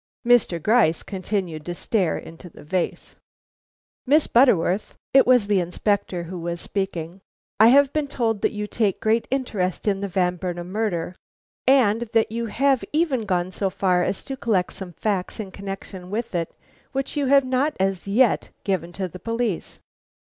Mr. Gryce continued to stare into the vase. "Miss Butterworth," it was the Inspector who was speaking, "I have been told that you take great interest in the Van Burnam murder, and that you have even gone so far as to collect some facts in connection with it which you have not as yet given to the police."